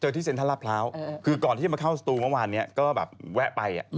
ที่เซ็นทรัลลาดพร้าวคือก่อนที่จะมาเข้าสตูเมื่อวานนี้ก็แบบแวะไป